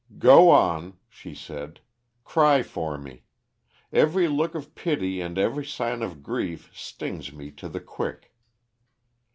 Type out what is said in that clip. "Go on," she said. "Cry for me. Every look of pity and every sign of grief stings me to the quick.